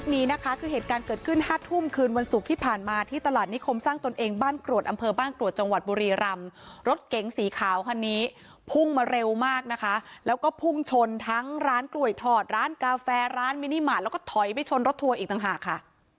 นี้นะคะคือเหตุการณ์เกิดขึ้นห้าทุ่มคืนวันศุกร์ที่ผ่านมาที่ตลาดนิคมสร้างตนเองบ้านกรวดอำเภอบ้านกรวดจังหวัดบุรีรำรถเก๋งสีขาวคันนี้พุ่งมาเร็วมากนะคะแล้วก็พุ่งชนทั้งร้านกลวยถอดร้านกาแฟร้านมินิมาตรแล้วก็ถอยไปชนรถทัวร์อีกต่างหากค่ะ